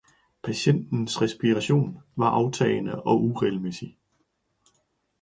Patientens respiration var aftagende og uregelmæssig.